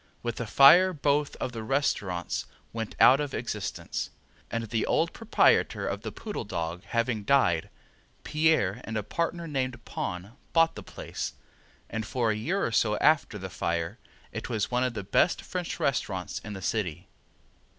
With the fire both of the restaurants went out of existence, and the old proprietor of the Poodle Dog having died, Pierre and a partner named Pon bought the place, and for a year or so after the fire it was one of the best French restaurants in the city.